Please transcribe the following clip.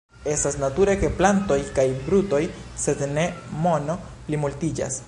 Estas nature ke plantoj kaj brutoj, sed ne mono, plimultiĝas.